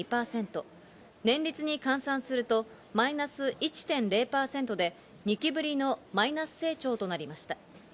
年率に換算するとマイナス１．０％で、２期ぶりのマイナス成長となりました。